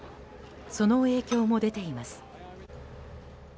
その影響も出ています。